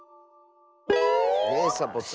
ねえサボさん。